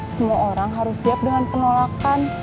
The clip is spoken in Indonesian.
semua orang harus siap dengan penolakan